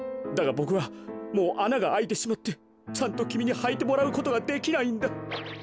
だがボクはもうあながあいてしまってちゃんときみにはいてもらうことができないんだ。